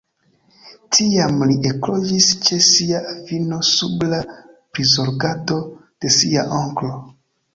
Tiam li ekloĝis ĉe sia avino sub la prizorgado de sia onklo.